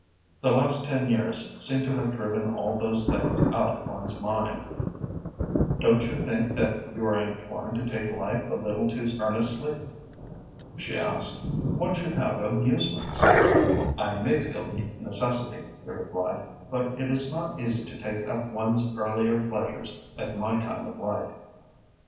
The last ten years seem to have driven all those things out of one's mind." "Don't you think that you are inclined to take life a little too earnestly?" she asked. "One should have amusements." "I may feel the necessity," he replied, "but it is not easy to take up one's earlier pleasures at my time of life."